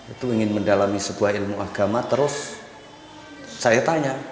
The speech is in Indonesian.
itu ingin mendalami sebuah ilmu agama terus saya tanya